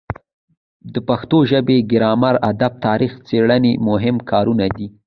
د پښتو ژبې ګرامر ادب تاریخ څیړنې مهم کارونه دي.